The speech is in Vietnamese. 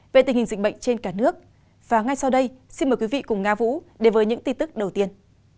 và ngay sau đây xin mời quý vị cùng nga vũ đề với những tin tức đầu tiên